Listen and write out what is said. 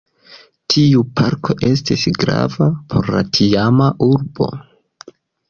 Tiu parko estis grava por la tiama urbo.